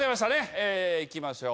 えいきましょう。